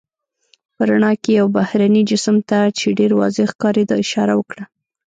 په رڼا کې یې یو بهرني جسم ته، چې ډېر واضح ښکارېده اشاره وکړه.